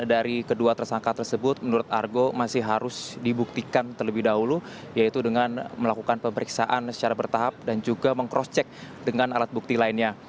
dari kedua tersangka tersebut menurut argo masih harus dibuktikan terlebih dahulu yaitu dengan melakukan pemeriksaan secara bertahap dan juga meng cross check dengan alat bukti lainnya